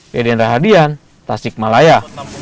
yedin rahadian tasikmalaya